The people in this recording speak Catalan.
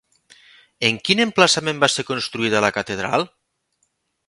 En quin emplaçament va ser construïda la catedral?